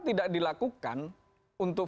tidak dilakukan untuk